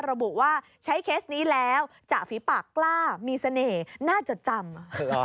ระบุว่าใช้เคสนี้แล้วจะฝีปากกล้ามีเสน่ห์น่าจดจำ